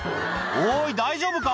おーい、大丈夫か。